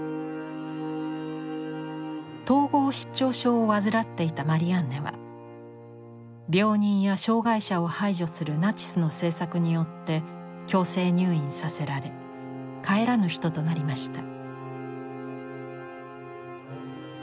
統合失調症を患っていたマリアンネは病人や障がい者を排除するナチスの政策によって強制入院させられ帰らぬ人となりました。